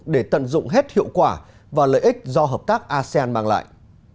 để tận dụng hết hiệu quả và lợi ích do hợp tác asean mang lại